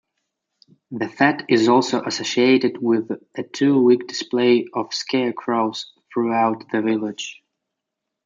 The fete is also associated with a two-week display of 'scarecrows' throughout the village.